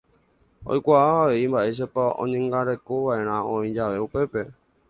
Oikuaa avei mba'éichapa oñeñangarekova'erã oĩ jave upépe.